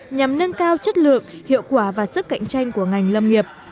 nhằm nâng cao chất lượng hiệu quả và sức cạnh tranh của ngành lâm nghiệp